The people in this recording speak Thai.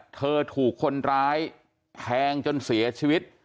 ถูกคนร้ายแทงจนเสียชีวิต